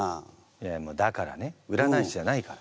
いやだからね占い師じゃないから。